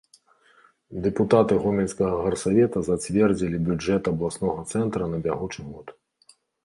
Дэпутаты гомельскага гарсавета зацвердзілі бюджэт абласнога цэнтра на бягучы год.